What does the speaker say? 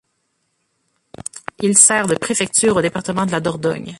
Il sert de préfecture au département de la Dordogne.